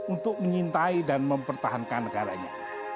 untuk menyintai dan mempertahankan negaranya